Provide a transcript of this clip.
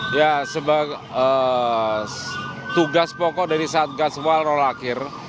ya sebagai tugas pokok dari kasatgas walro lakir